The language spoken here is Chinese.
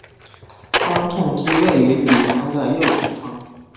发动机位于底盘的右前方。